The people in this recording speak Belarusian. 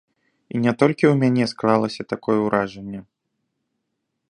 І не толькі ў мяне склалася такое ўражанне.